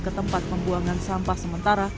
ke tempat pembuangan sampah sementara